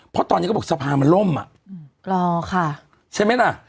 เพราะตอนนี้ก็บอกสภามันล่มอ่ะรอค่ะใช่ไหมล่ะ